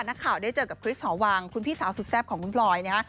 นักข่าวได้เจอกับคริสหอวังคุณพี่สาวสุดแซ่บของคุณพลอยนะฮะ